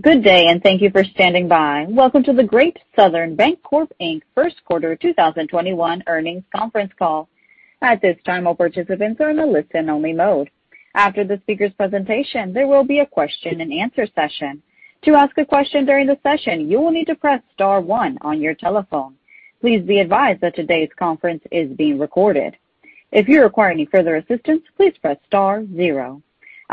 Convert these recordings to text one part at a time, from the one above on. Good day. Thank you for standing by. Welcome to the Great Southern Bancorp, Inc. first quarter 2021 earnings conference call. At this time, all participants are in a listen-only mode. After the speaker's presentation, there will be a question-and-answer session. To ask a question during the session, you will need to press star one on your telephone. Please be advised that today's conference is being recorded. If you require any further assistance, please press star zero.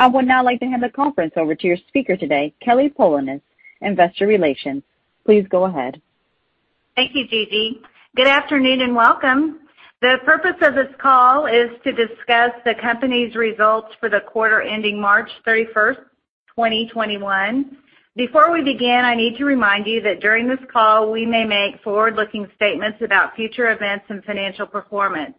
I would now like to hand the conference over to your speaker today, Kelly Polonus, Investor Relations. Please go ahead. Thank you, Gigi. Good afternoon, welcome. The purpose of this call is to discuss the company's results for the quarter ending March 31st, 2021. Before we begin, I need to remind you that during this call, we may make forward-looking statements about future events and financial performance.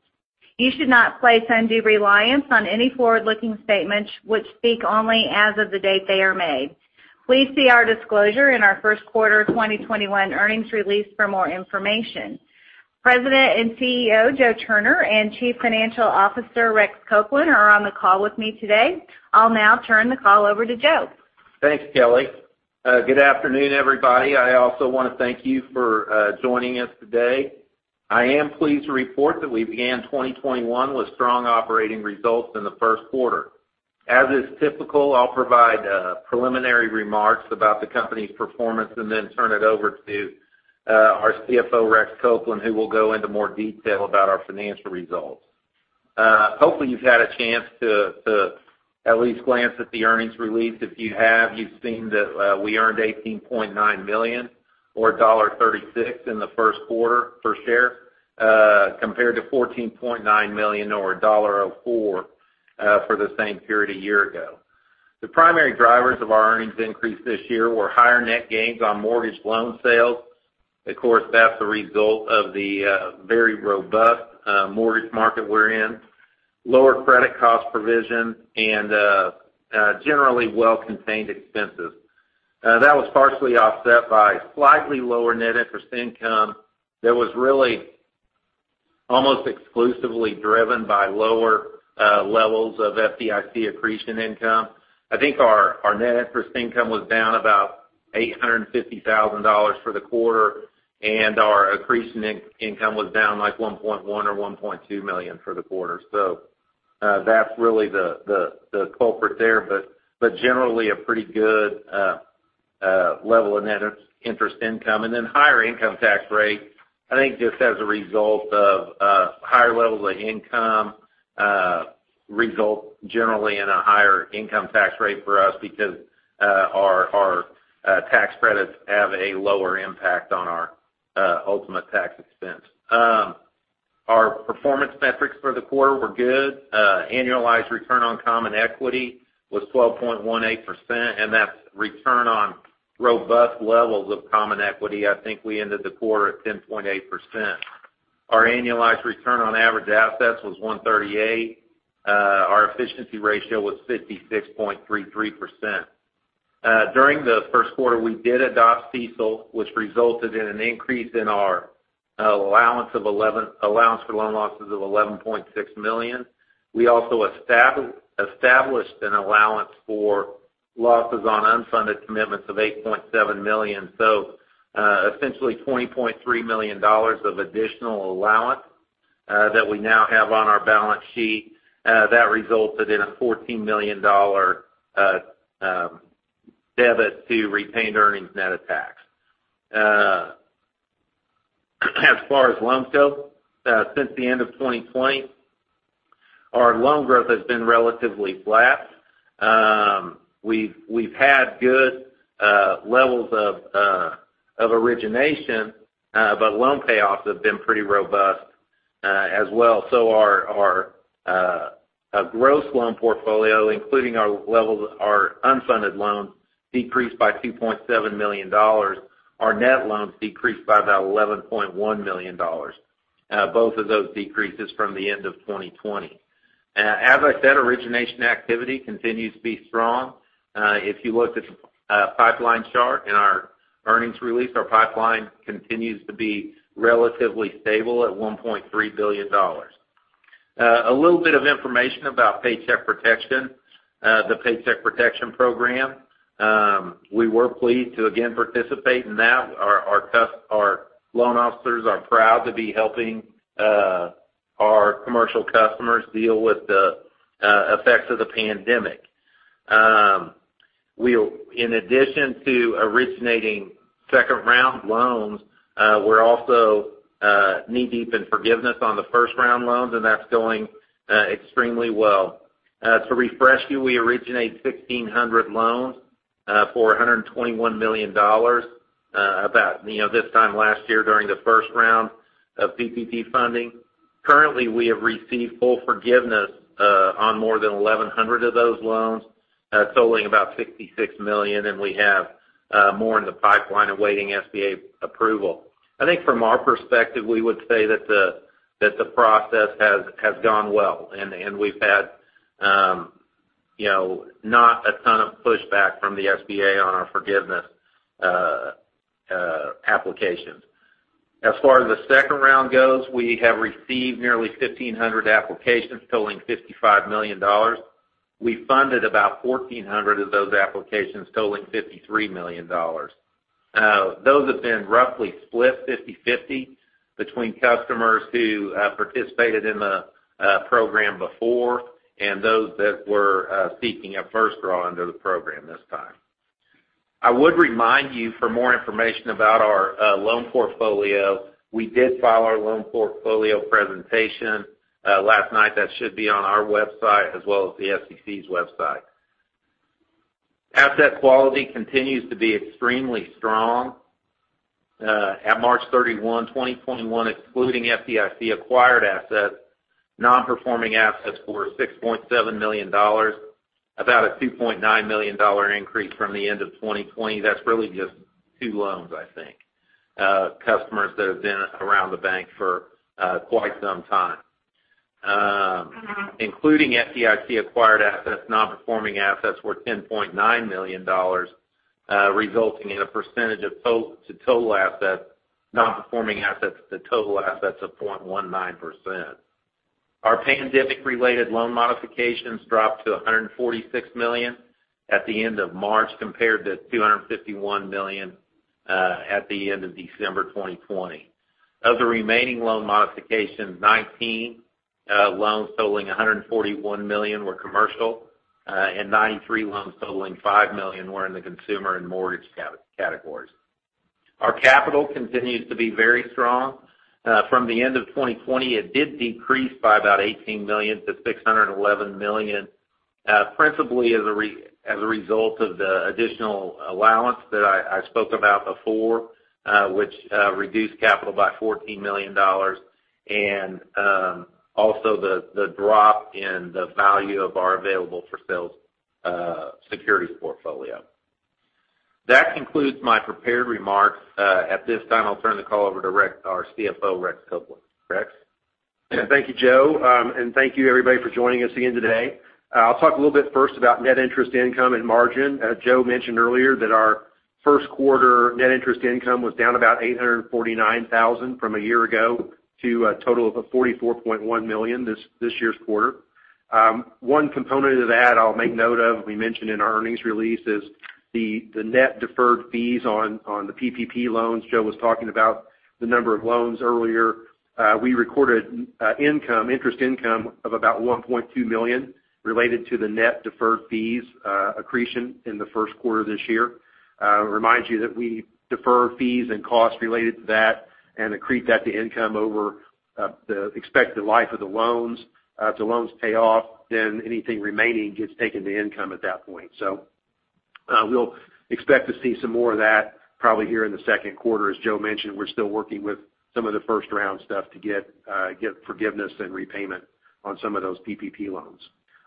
You should not place undue reliance on any forward-looking statements which speak only as of the date they are made. Please see our disclosure in our first quarter 2021 earnings release for more information. President and CEO, Joe Turner, and Chief Financial Officer, Rex Copeland, are on the call with me today. I'll now turn the call over to Joe. Thanks, Kelly. Good afternoon, everybody. I also want to thank you for joining us today. I am pleased to report that we began 2021 with strong operating results in the first quarter. As is typical, I'll provide preliminary remarks about the company's performance and then turn it over to our CFO, Rex Copeland, who will go into more detail about our financial results. Hopefully, you've had a chance to at least glance at the earnings release. If you have, you've seen that we earned $18.9 million or $1.36 in the first quarter per share, compared to $14.9 million or $1.04 for the same period a year ago. The primary drivers of our earnings increase this year were higher net gains on mortgage loan sales. Of course, that's a result of the very robust mortgage market we're in, lower credit cost provision, and generally well-contained expenses. That was partially offset by slightly lower net interest income that was really almost exclusively driven by lower levels of FDIC accretion income. I think our net interest income was down about $850,000 for the quarter, and our accretion income was down like $1.1 or $1.2 million for the quarter. That's really the culprit there, but generally a pretty good level of net interest income. Higher income tax rate, I think, just as a result of higher levels of income result generally in a higher income tax rate for us because our tax credits have a lower impact on our ultimate tax expense. Our performance metrics for the quarter were good. Annualized return on common equity was 12.18%, and that's return on robust levels of common equity. I think we ended the quarter at 10.8%. Our annualized return on average assets was 1.38%. Our efficiency ratio was 66.33%. During the first quarter, we did adopt CECL, which resulted in an increase in our allowance for loan losses of $11.6 million. We also established an allowance for losses on unfunded commitments of $8.7 million. Essentially $20.3 million of additional allowance that we now have on our balance sheet. That resulted in a $14 million debit to retained earnings net of tax. As far as loans go, since the end of 2020, our loan growth has been relatively flat. We've had good levels of origination, loan payoffs have been pretty robust as well. Our gross loan portfolio, including our unfunded loans, decreased by $2.7 million. Our net loans decreased by about $11.1 million. Both of those decreases from the end of 2020. As I said, origination activity continues to be strong. If you looked at the pipeline chart in our earnings release, our pipeline continues to be relatively stable at $1.3 billion. A little bit of information about Paycheck Protection, the Paycheck Protection Program. We were pleased to again participate in that. Our loan officers are proud to be helping our commercial customers deal with the effects of the pandemic. In addition to originating second-round loans, we're also knee-deep in forgiveness on the first-round loans, and that's going extremely well. To refresh you, we originated 1,600 loans for $121 million this time last year during the first-round of PPP funding. Currently, we have received full forgiveness on more than 1,100 of those loans, totaling about $66 million, and we have more in the pipeline awaiting SBA approval. I think from our perspective, we would say that the process has gone well, and we've had not a ton of pushback from the SBA on our forgiveness applications. As far as the second round goes, we have received nearly 1,500 applications totaling $55 million. We funded about 1,400 of those applications totaling $53 million. Those have been roughly split 50/50 between customers who participated in the program before and those that were seeking a first draw under the program this time. I would remind you for more information about our loan portfolio, we did file our loan portfolio presentation last night. That should be on our website as well as the SEC's website. Asset quality continues to be extremely strong. At March 31, 2021, excluding FDIC-acquired assets, non-performing assets were $6.7 million, about a $2.9 million increase from the end of 2020. That's really just two loans, I think, customers that have been around the bank for quite some time. Including FDIC-acquired assets, non-performing assets were $10.9 million, resulting in a percentage to total assets, non-performing assets to total assets of 0.19%. Our pandemic-related loan modifications dropped to $146 million at the end of March, compared to $251 million at the end of December 2020. Of the remaining loan modifications, 19 loans totaling $141 million were commercial, and 93 loans totaling $5 million were in the consumer and mortgage categories. Our capital continues to be very strong. From the end of 2020, it did decrease by about $18 million to $611 million, principally as a result of the additional allowance that I spoke about before, which reduced capital by $14 million, and also the drop in the value of our available-for-sale securities portfolio. That concludes my prepared remarks. At this time, I'll turn the call over to our CFO, Rex Copeland. Rex? Thank you, Joe, and thank you, everybody, for joining us again today. I'll talk a little bit first about net interest income and margin. As Joe mentioned earlier, that our first quarter net interest income was down about $849,000 from a year ago to a total of $44.1 million this year's quarter. One component of that I'll make note of, we mentioned in our earnings release, is the net deferred fees on the PPP loans. Joe was talking about the number of loans earlier. We recorded interest income of about $1.2 million related to the net deferred fees accretion in the first quarter of this year. Remind you that we defer fees and costs related to that and accrete that to income over the expected life of the loans. If the loans pay off, anything remaining gets taken to income at that point. We'll expect to see some more of that probably here in the second quarter. As Joe mentioned, we're still working with some of the first-round stuff to get forgiveness and repayment on some of those PPP loans.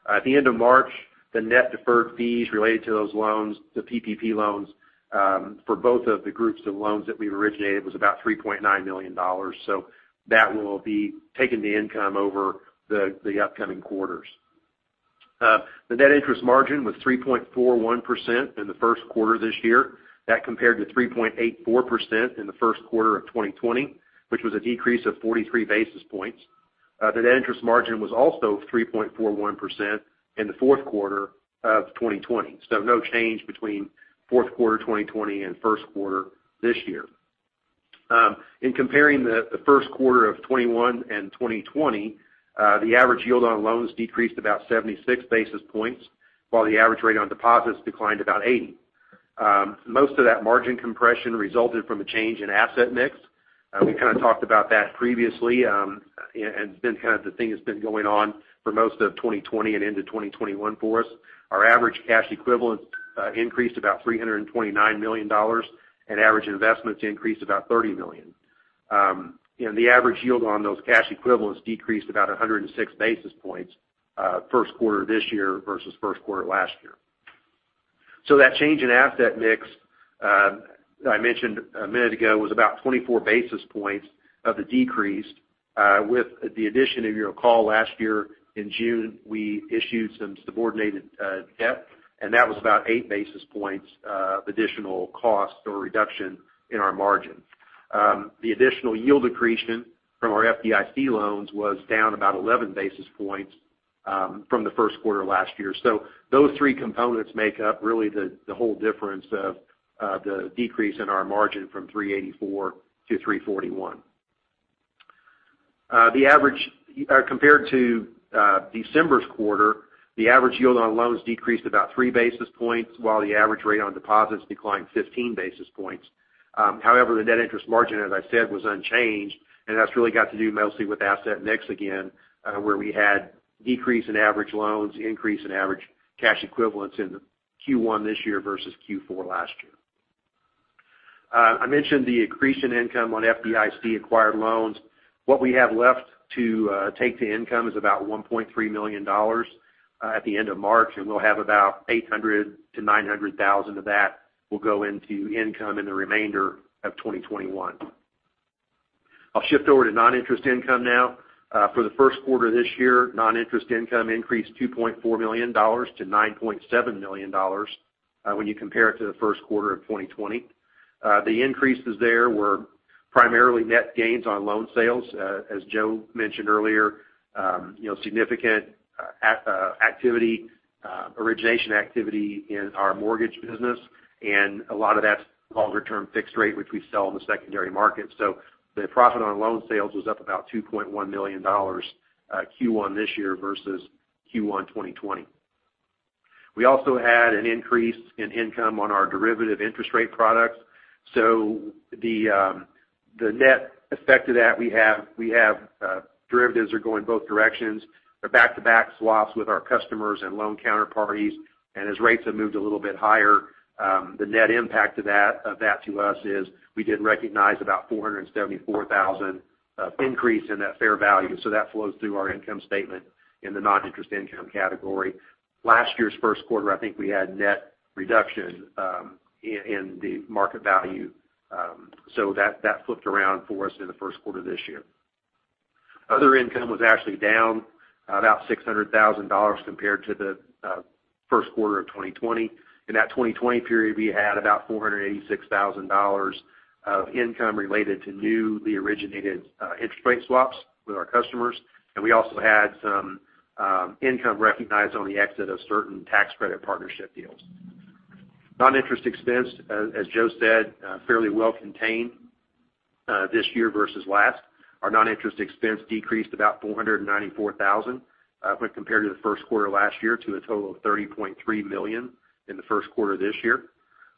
At the end of March, the net deferred fees related to those loans, the PPP loans, for both of the groups of loans that we originated was about $3.9 million. That will be taken to income over the upcoming quarters. The net interest margin was 3.41% in the first quarter of this year. That compared to 3.84% in the first quarter of 2020, which was a decrease of 43 basis points. The net interest margin was also 3.41% in the fourth quarter of 2020. No change between fourth quarter 2020 and first quarter this year. In comparing the first quarter of 2021 and 2020, the average yield on loans decreased about 76 basis points, while the average rate on deposits declined about 80 basis points. Most of that margin compression resulted from a change in asset mix. We kind of talked about that previously, and it's been kind of the thing that's been going on for most of 2020 and into 2021 for us. Our average cash equivalents increased about $329 million, and average investments increased about $30 million. The average yield on those cash equivalents decreased about 106 basis points first quarter this year versus first quarter last year. That change in asset mix I mentioned a minute ago was about 24 basis points of the decrease with the addition. If you recall last year in June, we issued some subordinated debt. That was about eight basis points of additional cost or reduction in our margin. The additional yield accretion from our FDIC loans was down about 11 basis points from the first quarter last year. Those three components make up really the whole difference of the decrease in our margin from 3.84% to 3.41%. Compared to December's quarter, the average yield on loans decreased about 3 basis points, while the average rate on deposits declined 15 basis points. However, the net interest margin, as I said, was unchanged. That's really got to do mostly with asset mix again, where we had decrease in average loans, increase in average cash equivalents in Q1 this year versus Q4 last year. I mentioned the accretion income on FDIC-acquired loans. What we have left to take to income is about $1.3 million at the end of March. We'll have about $800,000-$900,000 of that will go into income in the remainder of 2021. I'll shift over to non-interest income now. For the first quarter of this year, non-interest income increased $2.4 million to $9.7 million. When you compare it to the first quarter of 2020, the increases there were primarily net gains on loan sales, as Joe mentioned earlier, significant origination activity in our mortgage business, and a lot of that's longer-term fixed rate, which we sell in the secondary market. The profit on loan sales was up about $2.1 million Q1 this year versus Q1 2020. We also had an increase in income on our derivative interest rate products. The net effect of that, we have derivatives are going both directions. They're back-to-back swaps with our customers and loan counterparties. As rates have moved a little bit higher, the net impact of that to us is we did recognize about $474,000 of increase in that fair value, so that flows through our income statement in the non-interest income category. Last year's first quarter, I think we had net reduction in the market value. That flipped around for us in the first quarter this year. Other income was actually down about $600,000 compared to the first quarter of 2020. In that 2020 period, we had about $486,000 of income related to newly originated interest rate swaps with our customers, and we also had some income recognized on the exit of certain tax credit partnership deals. Non-interest expense, as Joe said, fairly well contained this year versus last. Our non-interest expense decreased about $494,000 when compared to the first quarter last year to a total of $30.3 million in the first quarter this year.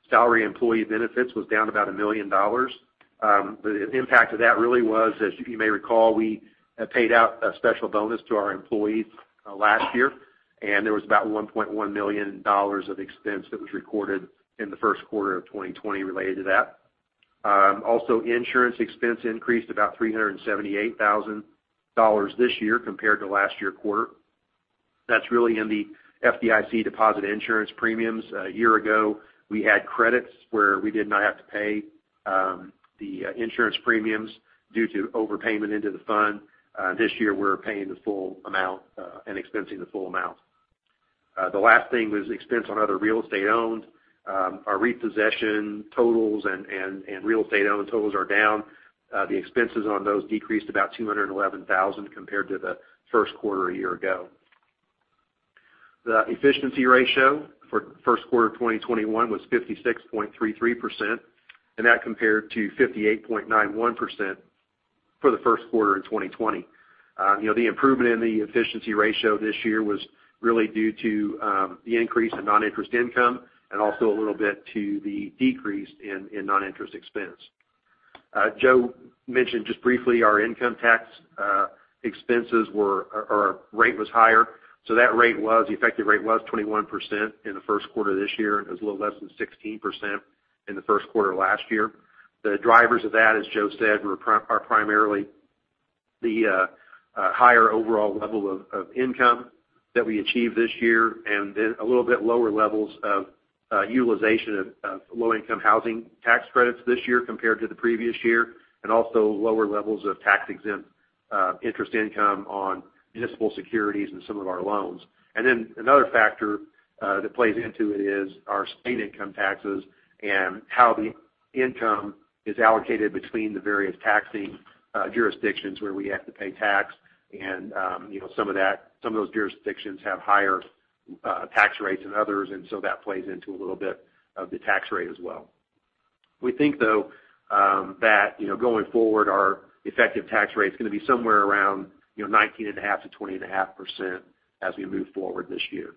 Salary employee benefits was down about $1 million. The impact of that really was, as you may recall, we paid out a special bonus to our employees last year. There was about $1.1 million of expense that was recorded in the first quarter of 2020 related to that. Insurance expense increased about $378,000 this year compared to last year's quarter. That's really in the FDIC deposit insurance premiums. A year ago, we had credits where we did not have to pay the insurance premiums due to overpayment into the fund. This year, we're paying the full amount and expensing the full amount. The last thing was expense on other real estate owned. Our repossession totals and real estate-owned totals are down. The expenses on those decreased about $211,000 compared to the first quarter a year ago. The efficiency ratio for the first quarter of 2021 was 56.33%, and that compared to 58.91% for the first quarter in 2020. The improvement in the efficiency ratio this year was really due to the increase in non-interest income and also a little bit to the decrease in non-interest expense. Joe mentioned just briefly our income tax expenses rate was higher. The effective rate was 21% in the first quarter of this year, and it was a little less than 16% in the first quarter last year. The drivers of that, as Joe said, are primarily the higher overall level of income that we achieved this year, and then a little bit lower levels of utilization of low-income housing tax credits this year compared to the previous year, and also lower levels of tax-exempt interest income on municipal securities and some of our loans. Another factor that plays into it is our state income taxes and how the income is allocated between the various taxing jurisdictions where we have to pay tax. Some of those jurisdictions have higher tax rates than others, and so that plays into a little bit of the tax rate as well. We think, though, that going forward, our effective tax rate's going to be somewhere around 19.5%-20.5% as we move forward this year.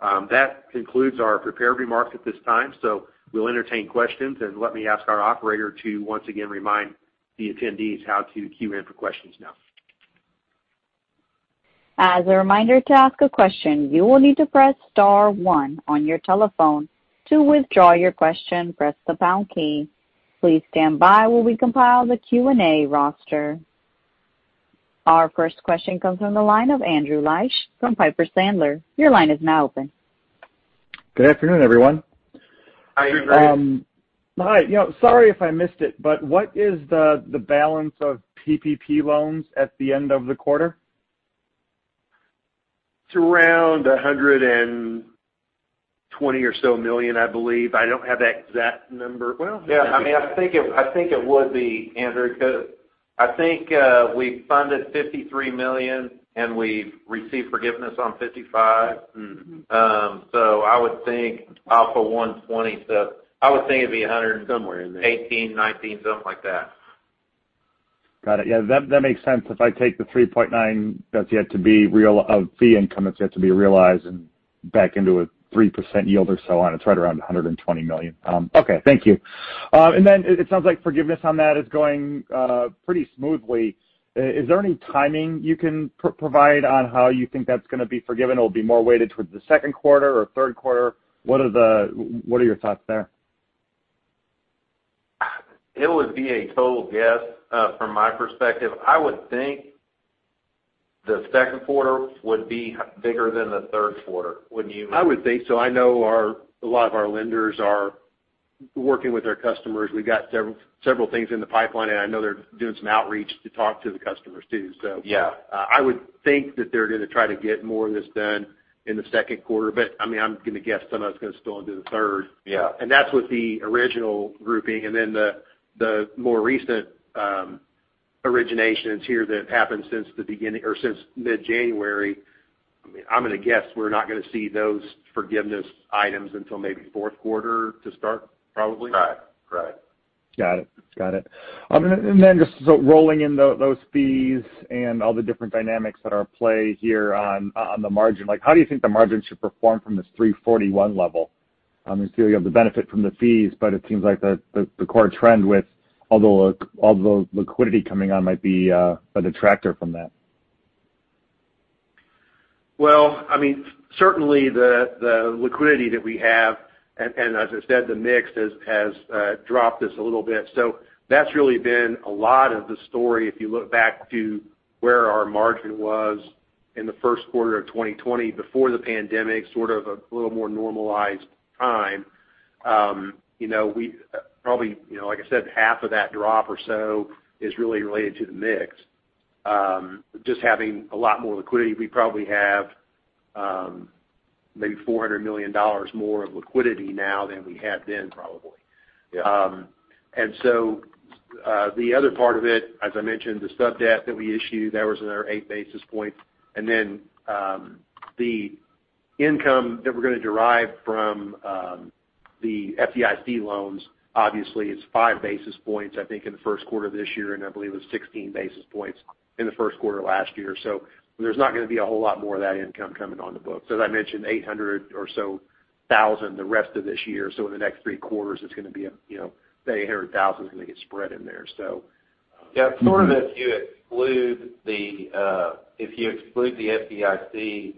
That concludes our prepared remarks at this time, so we'll entertain questions, and let me ask our operator to once again remind the attendees how to queue in for questions now. As a reminder, to ask a question, you will need to press star one on your telephone. To withdraw your question, press the pound key. Please stand by while we compile the Q&A roster. Our first question comes from the line of Andrew Liesch from Piper Sandler. Your line is now open. Good afternoon, everyone. Hi, Andrew. Hi. Sorry if I missed it, but what is the balance of PPP loans at the end of the quarter? It's around $120 or so million, I believe. I don't have that exact number. Yeah, I think it would be, Andrew, because I think we funded $53 million, and we've received forgiveness on $55 million. I would think off of $120 million, so I would think it'd be $100 million. Somewhere in there. 18, 19, something like that. Got it. Yeah, that makes sense. If I take the $3.9 million of fee income that's yet to be realized and back into a 3% yield or so on, it's right around $120 million. Okay, thank you. It sounds like forgiveness on that is going pretty smoothly. Is there any timing you can provide on how you think that's going to be forgiven, or it'll be more weighted towards the second quarter or third quarter? What are your thoughts there? It would be a total guess. From my perspective, I would think the second quarter would be bigger than the third quarter, wouldn't you? I would think so. I know a lot of our lenders are working with our customers, we've got several things in the pipeline, and I know they're doing some outreach to talk to the customers too. Yeah. I would think that they're going to try to get more of this done in the second quarter, but I'm going to guess some of it's going to spill into the third. Yeah. That's with the original grouping. The more recent originations here that have happened since mid-January, I'm going to guess we're not going to see those forgiveness items until maybe fourth quarter to start, probably. Right. Got it. Just rolling in those fees and all the different dynamics that are at play here on the margin, how do you think the margin should perform from this 3.41 level%? You have the benefit from the fees, but it seems like the core trend with all the liquidity coming on might be a detractor from that. Certainly the liquidity that we have, and as I said, the mix has dropped us a little bit. That's really been a lot of the story if you look back to where our margin was in the first quarter of 2020 before the pandemic, sort of a little more normalized time. Probably, like I said, half of that drop or so is really related to the mix. Just having a lot more liquidity. We probably have maybe $400 million more of liquidity now than we had then, probably. Yeah. The other part of it, as I mentioned, the sub-debt that we issued, that was another eight basis points. The income that we're going to derive from the FDIC loans, obviously, it's five basis points, I think, in the first quarter of this year, and I believe it was 16 basis points in the first quarter of last year. There's not going to be a whole lot more of that income coming on the books. As I mentioned, $800 or so thousand the rest of this year. In the next three quarters, say, $800,000 is going to get spread in there. Yeah. If you exclude the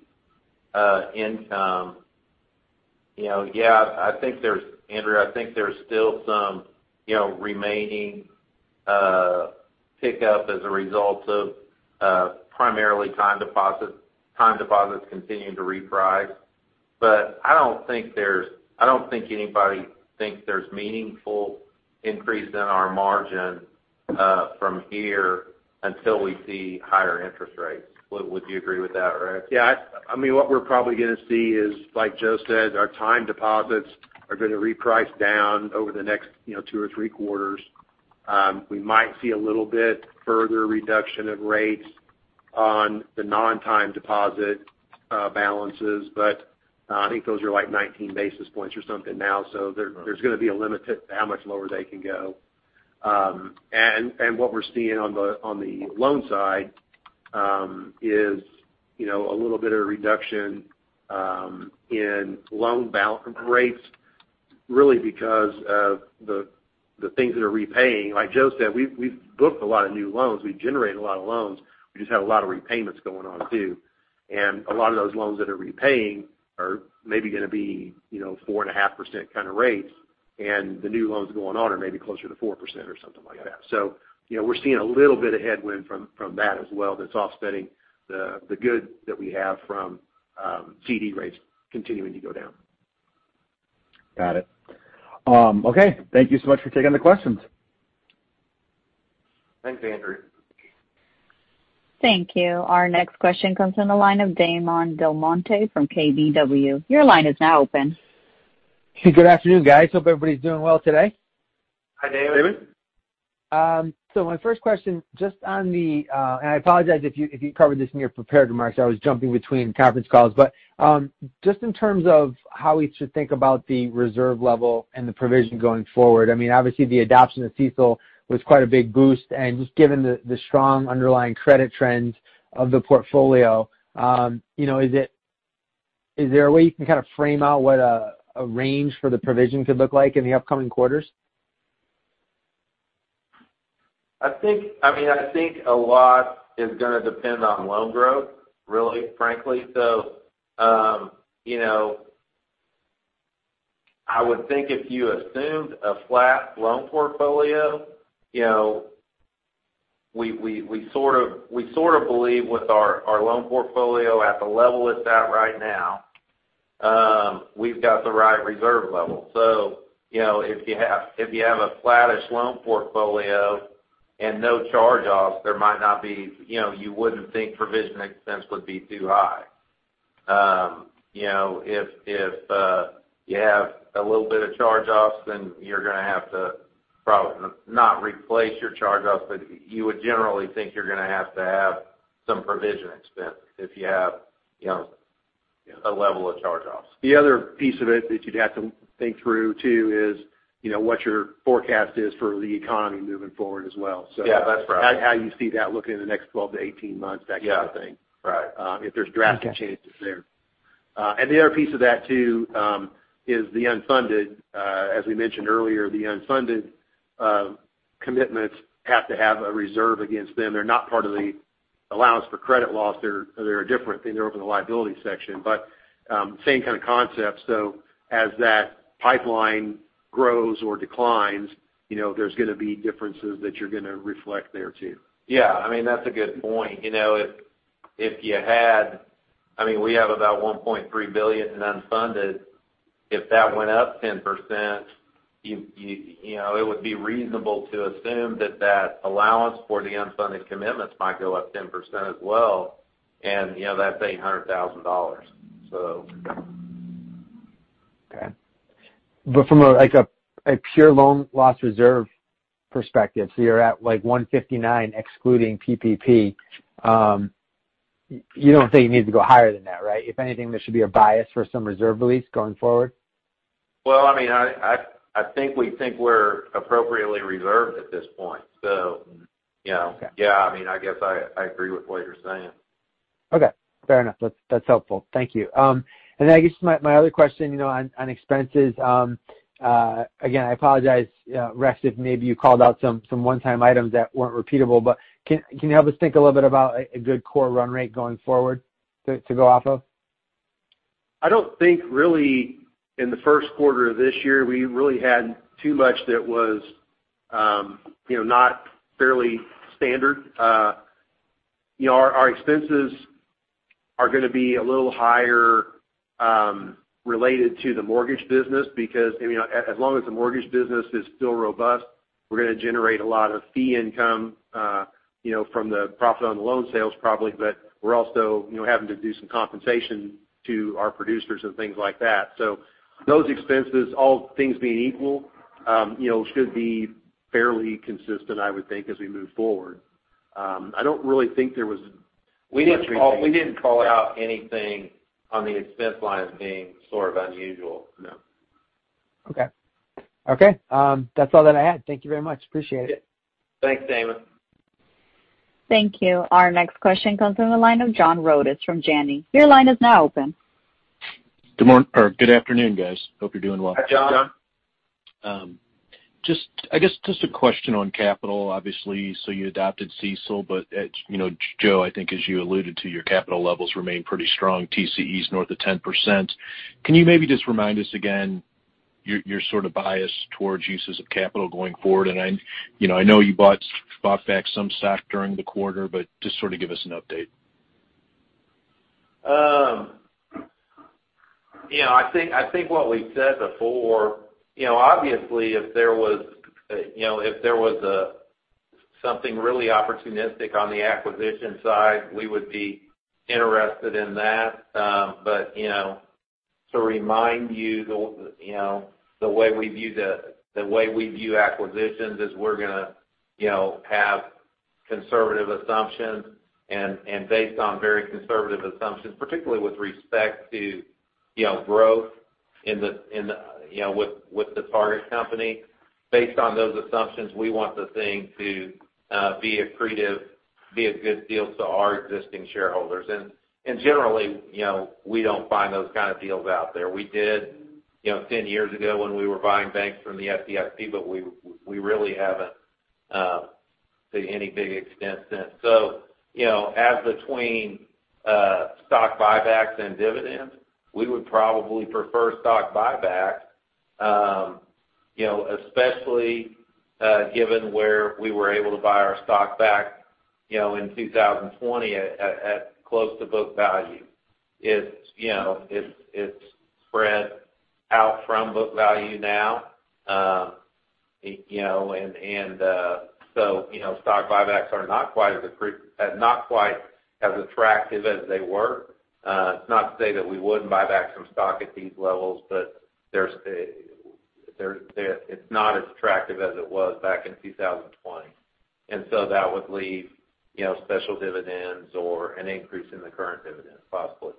FDIC income, Andrew, I think there's still some remaining pickup as a result of primarily time deposits continuing to reprice. I don't think anybody thinks there's meaningful increase in our margin from here until we see higher interest rates. Would you agree with that, Rex? Yeah. What we're probably going to see is, like Joe said, our time deposits are going to reprice down over the next two or three quarters. We might see a little bit further reduction of rates on the non-time deposit balances, but I think those are like 19 basis points or something now. There's going to be a limit to how much lower they can go. What we're seeing on the loan side is a little bit of a reduction in loan balance rates, really because of the things that are repaying. Like Joe said, we've booked a lot of new loans. We've generated a lot of loans. We just had a lot of repayments going on, too. A lot of those loans that are repaying are maybe going to be 4.5% kind of rates, and the new loans going on are maybe closer to 4% or something like that. We're seeing a little bit of headwind from that as well that's offsetting the good that we have from CD rates continuing to go down. Got it. Okay. Thank you so much for taking the questions. Thanks, Andrew. Thank you. Our next question comes from the line of Damon DelMonte from KBW. Your line is now open. Good afternoon, guys. Hope everybody's doing well today. Hi, Damon. My first question, and I apologize if you covered this in your prepared remarks, I was jumping between conference calls, but just in terms of how we should think about the reserve level and the provision going forward. Obviously, the adoption of CECL was quite a big boost, and just given the strong underlying credit trends of the portfolio, is there a way you can kind of frame out what a range for the provision could look like in the upcoming quarters? I think a lot is going to depend on loan growth, really, frankly. I would think if you assumed a flat loan portfolio, we sort of believe with our loan portfolio at the level it's at right now, we've got the right reserve level. If you have a flattish loan portfolio and no charge-offs, you wouldn't think provision expense would be too high. If you have a little bit of charge-offs, then you're going to have to probably, not replace your charge-offs, but you would generally think you're going to have to have some provision expense if you have a level of charge-offs. The other piece of it that you'd have to think through, too, is what your forecast is for the economy moving forward as well. Yeah, that's right. How you see that looking in the next 12-18 months, that kind of thing. Yeah. Right. If there's drastic changes there. The other piece of that, too, is the unfunded. As we mentioned earlier, the unfunded commitments have to have a reserve against them. They're not part of the allowance for credit loss. They're a different thing. They're over in the liability section, but same kind of concept. As that pipeline grows or declines, there's going to be differences that you're going to reflect there, too. Yeah. That's a good point. I mean, we have about $1.3 billion in unfunded. If that went up 10%, it would be reasonable to assume that that allowance for the unfunded commitments might go up 10% as well, and that's $800,000. Okay. From a pure loan loss reserve perspective, you're at like 1.59% excluding PPP, you don't think it needs to go higher than that, right? If anything, there should be a bias for some reserve release going forward. I think we think we're appropriately reserved at this point. Yeah. Okay. I guess I agree with what you're saying. Okay. Fair enough. That's helpful. Thank you. I guess my other question, on expenses. Again, I apologize, Rex, if maybe you called out some one-time items that weren't repeatable, but can you help us think a little bit about a good core run rate going forward to go off of? I don't think really in the first quarter of this year, we really had too much that was not fairly standard. Our expenses are going to be a little higher, related to the mortgage business, because as long as the mortgage business is still robust, we're going to generate a lot of fee income from the profit on the loan sales, probably. We're also having to do some compensation to our producers and things like that. Those expenses, all things being equal, should be fairly consistent, I would think, as we move forward. We didn't call out anything on the expense line as being sort of unusual. No. Okay. That's all that I had. Thank you very much. Appreciate it. Thanks, Damon. Thank you. Our next question comes from the line of John Rodis from Janney. Your line is now open. Good morning, or good afternoon, guys. Hope you're doing well. Hi, John. I guess just a question on capital, obviously. You adopted CECL, but Joe, I think as you alluded to, your capital levels remain pretty strong. TCE is north of 10%. Can you maybe just remind us again your sort of bias towards uses of capital going forward? I know you bought back some stock during the quarter, but just sort of give us an update. I think what we've said before, obviously, if there was something really opportunistic on the acquisition side, we would be interested in that. To remind you, the way we view acquisitions is we're going to have conservative assumptions and based on very conservative assumptions, particularly with respect to growth with the target company. Based on those assumptions, we want the thing to be accretive, be a good deal to our existing shareholders. Generally, we don't find those kind of deals out there. We did 10 years ago when we were buying banks from the FDIC, but we really haven't to any big extent since. As between stock buybacks and dividends, we would probably prefer stock buyback, especially given where we were able to buy our stock back in 2020 at close to book value. It's spread out from book value now. Stock buybacks are not quite as attractive as they were. It's not to say that we wouldn't buy back some stock at these levels, but it's not as attractive as it was back in 2020. That would leave special dividends or an increase in the current dividend possibly.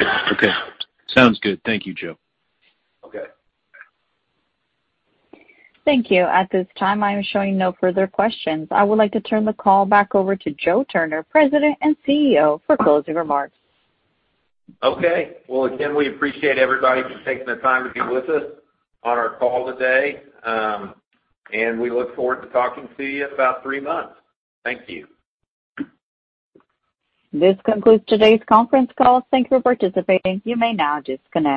Okay. Sounds good. Thank you, Joe. Okay. Thank you. At this time, I am showing no further questions. I would like to turn the call back over to Joe Turner, President and CEO, for closing remarks. Okay. Well, again, we appreciate everybody for taking the time to be with us on our call today. We look forward to talking to you in about three months. Thank you. This concludes today's conference call. Thank Thank you for participating. You may now disconnect.